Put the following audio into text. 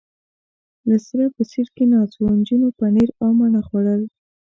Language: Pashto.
له سره په سېټ کې ناست و، نجونو پنیر او مڼه خوړل.